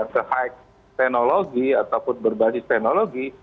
ke high teknologi ataupun berbasis teknologi